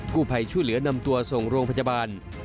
ผู้ภัยช่วยเหลือนำตัวส่งโรงพยาบาล